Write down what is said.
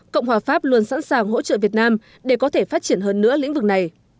cộng hòa pháp luôn sẵn sàng hỗ trợ việt nam để có thể phát triển hơn nữa lĩnh vực này